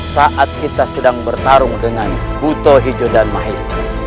saat kita sedang bertarung dengan buto hijodan mahes